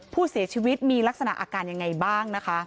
ผู้เสียชีวิตมีลักษณะอาการยังไงบ้างนะคะ